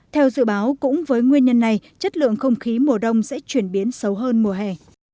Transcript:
theo dự báo cũng với nguyên nhân này chất lượng không khí mùa đông sẽ chuyển biến xấu hơn mùa hè